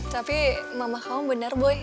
tapi mama kamu benar boy